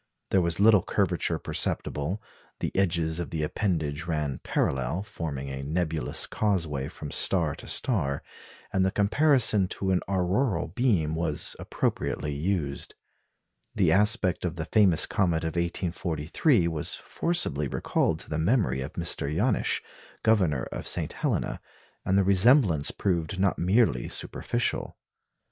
There was little curvature perceptible; the edges of the appendage ran parallel, forming a nebulous causeway from star to star; and the comparison to an auroral beam was appropriately used. The aspect of the famous comet of 1843 was forcibly recalled to the memory of Mr. Janisch, Governor of St. Helena; and the resemblance proved not merely superficial.